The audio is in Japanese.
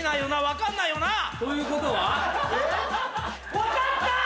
分かった！